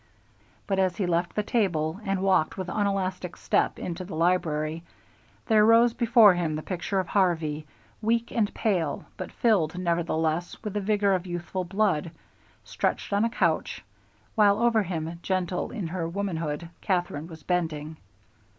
But as he left the table and walked with unelastic step into the library, there rose before him the picture of Harvey, weak and pale but filled nevertheless with the vigor of youthful blood, stretched on a couch, while over him, gentle in her womanhood, Katherine was bending.